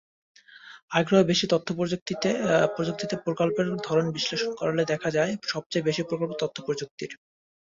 আগ্রহ বেশি তথ্যপ্রযুক্তিতেপ্রকল্পের ধরন বিশ্লেষণ করলে দেখা যায়, সবচেয়ে বেশি প্রকল্প তথ্যপ্রযুক্তির।